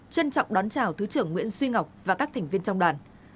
trân trọng đón chào thứ trưởng nguyễn duy ngọc và các thành viên trong đoàn